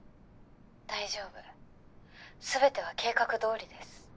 大丈夫すべては計画通りです。